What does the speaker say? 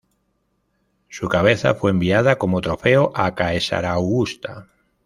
Su cabeza fue enviada como trofeo a Caesaraugusta.